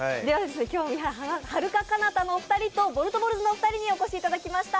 はるか・かなたのお二人とボルトボルズのお二人にお越しいただきました。